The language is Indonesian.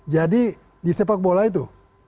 jadi di sepak bola itu